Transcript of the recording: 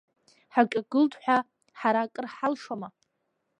Ҳаҿагылт ҳәа ҳара акыр ҳалшома?